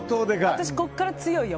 私ここから強いよ！